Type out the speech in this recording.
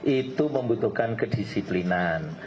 itu membutuhkan kedisiplinan